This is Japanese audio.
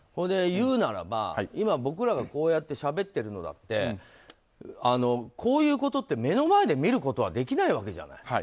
いうならば、僕らがこうやってしゃべっているのだってこういうことって目の前で見ることはできないわけじゃない。